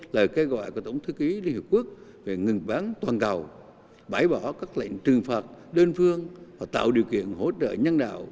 lời kêu gọi của tổng thư ký liên hợp quốc về ngừng bán toàn cầu bãi bỏ các lệnh trừng phạt đơn phương và tạo điều kiện hỗ trợ nhân đạo